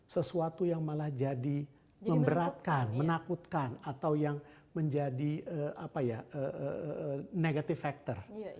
sesuatu yang malah jadi memberatkan menakutkan atau yang menjadi negatif factor